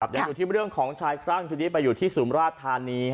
ยังอยู่ที่เรื่องของชายคลั่งทีนี้ไปอยู่ที่สุมราชธานี